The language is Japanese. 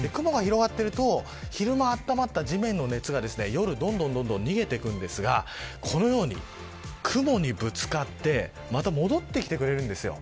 そうすると昼間温まった地面の熱が夜どんどん逃げていくんですがこのように雲にぶつかってまた戻ってきてくれるんですよ。